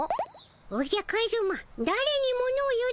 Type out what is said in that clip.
おじゃカズマだれにモノを言うておるのじゃ。